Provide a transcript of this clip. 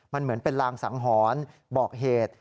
มันเหมือนเป็นรางสังหรณ์บอกเหตุ